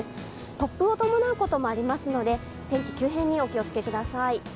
突風を伴うこともありますので、天気急変にお気をつけください。